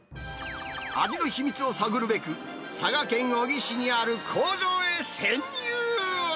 味の秘密を探るべく、佐賀県小城市にある工場へ潜入。